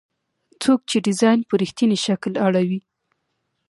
څوک چې ډیزاین په رښتیني شکل اړوي.